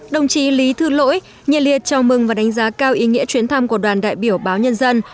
đồng chí lý thư lỗi nhiệt liệt chào mừng và đánh giá cao ý nghĩa chuyến thăm của đoàn đại biểu báo nhân dân